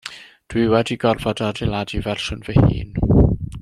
Dw i wedi gorfod adeiladu fersiwn fy hun.